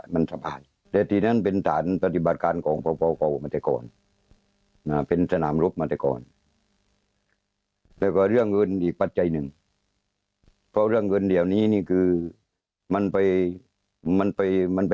มันไปตรงกับยาติด